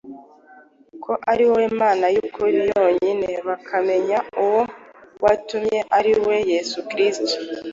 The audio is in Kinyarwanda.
ko ari wowe Mana y’ukuri yonyine, bakamenya n’uwo watumye, ari we Yesu Kristo.”